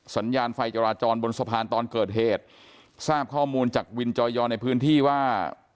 สัญญาณไฟจราจรบนสะพานตอนเกิดเหตุทราบข้อมูลจากวินจอยอในพื้นที่ว่า